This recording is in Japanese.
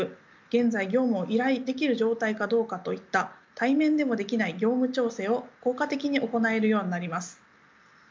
現在業務を依頼できる状態かどうかといった対面でもできない業務調整を効果的に行えるようになります。